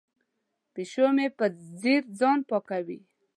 پیشو مې په ځیر ځان پاکوي.